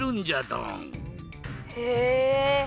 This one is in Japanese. へえ！